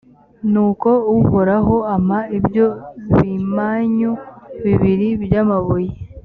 nuko uhoraho ampa ibyo bimanyu bibiri by’amabuye.